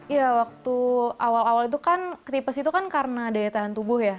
ya waktu awal awal itu kan tipes itu kan karena daya tahan tubuh ya